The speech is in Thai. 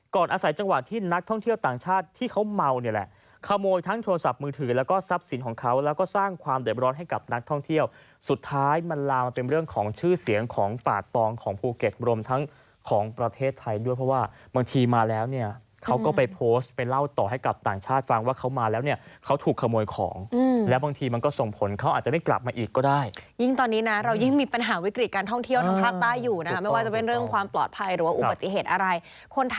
ก่อนอาศัยจังหวะที่นักท่องเที่ยวต่างชาติที่เขาเมาเนี่ยแหละขโมยทั้งโทรศัพท์มือถือแล้วก็ทรัพย์สินของเขาแล้วก็สร้างความเด็ดร้อนให้กับนักท่องเที่ยวสุดท้ายมันลามาเป็นเรื่องของชื่อเสียงของปากตองของภูเก็ตรมทั้งของประเทศไทยด้วยเพราะว่าบางทีมาแล้วเนี่ยเขาก็ไปโพสต์ไปเล่าต่อให้ก